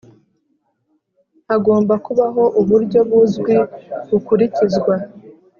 Hagomba kubaho uburyo buzwi bukurikizwa